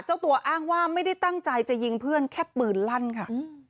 เจ้าตัวอ้างว่าไม่ได้ตั้งใจจะยิงเพื่อนแค่ปืนลั่นค่ะ